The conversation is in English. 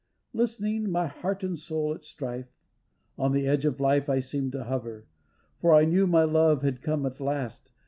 Listening, my heart and soul at strife. On the edge of life I seemed to hover. For I knew my love had come at last.